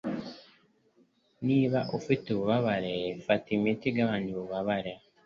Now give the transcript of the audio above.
Niba ufite ububabare, fata imiti igabanya ububabare.